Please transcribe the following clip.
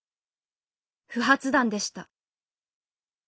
不発弾でした。